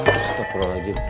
ustaz berulang aja